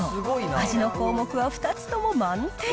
味の項目は２つとも満点。